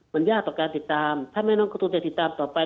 มันยากต่อการติดตามถ้าแม่น้องการ์ตูนจะติดตามต่อไป